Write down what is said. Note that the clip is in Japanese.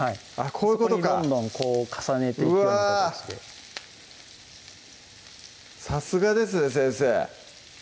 こういうことかどんどん重ねていくような形でさすがですね先生